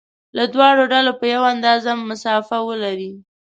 له دواړو ډلو په یوه اندازه مسافه ولري.